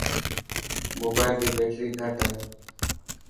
موبال ري بيٽري گھٽ هي.